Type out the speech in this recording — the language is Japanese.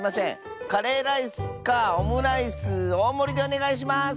カレーライスかオムライスおおもりでおねがいします！